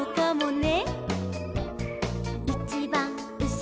「ね！」